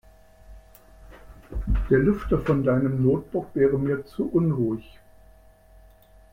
Der Lüfter von deinem Notebook wäre mir zu unruhig.